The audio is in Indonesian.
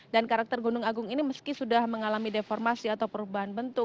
dan karakter gunung agung ini meski sudah mengalami deformasi atau perubahan bentuk